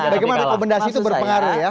bagaimana rekomendasi itu berpengaruh ya